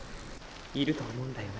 いると思うんだよな